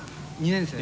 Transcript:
２年生。